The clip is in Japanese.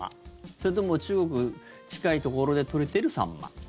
それとも中国の近いところで取れてるサンマ？